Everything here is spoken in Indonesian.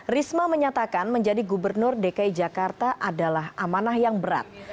risma menyatakan menjadi gubernur dki jakarta adalah amanah yang berat